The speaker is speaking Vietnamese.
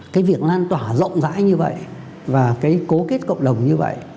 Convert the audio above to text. cái việc lan tỏa rộng rãi như vậy và cái cố kết cộng đồng như vậy